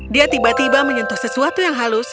dia tiba tiba menyentuh sesuatu yang halus